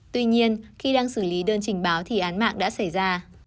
tuy nhiên khi đang xử lý đơn trình báo thì án mạng đã xảy ra